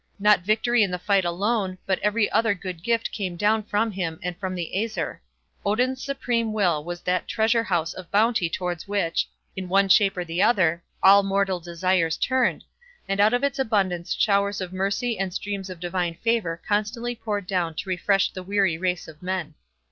Not victory in the fight alone, but every other good gift came down from him and the Aesir. Odin's supreme will was that treasure house of bounty towards which, in one shape or the other, all mortal desires turned, and out of its abundance showers of mercy and streams of divine favour constantly poured down to refresh the weary race of men.